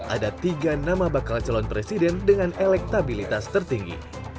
ada tiga nama bakal calon presiden dengan elektabilitas tertinggi